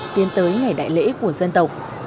tiến tới ngày đại lễ của dân tộc